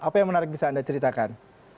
apa yang menarik bisa anda ceritakan